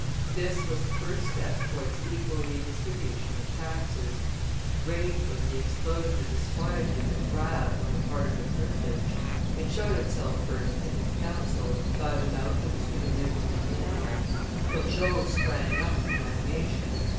This was the first step towards equal redistribution of taxes; great was the explosion of disquietude and wrath on the part of the privileged; it showed itself first in the council, by the mouth of M. de Miromesnil; Turgot sprang up with animation.